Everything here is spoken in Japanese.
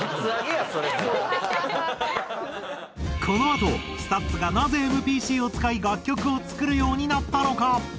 このあとＳＴＵＴＳがなぜＭＰＣを使い楽曲を作るようになったのか？